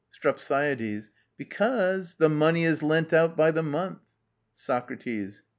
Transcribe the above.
STREPSIADES. Because money is lent by the month. SOCRATES.